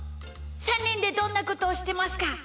３にんでどんなことをしてますか？